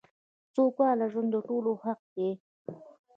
سوکاله ژوند دټولو حق دی .